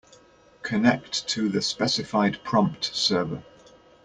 Connect to the specified prompt server.